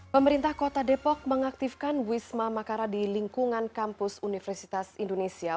pemerintah kota depok mengaktifkan wisma makara di lingkungan kampus universitas indonesia